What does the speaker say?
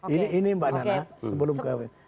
ini mbak nana sebelum ke